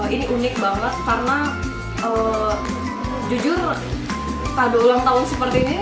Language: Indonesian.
ini unik banget karena jujur pada ulang tahun seperti ini